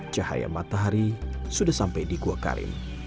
cahaya matahari sudah sampai di gua karim